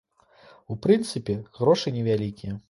У прынцыпе, грошы невялікія.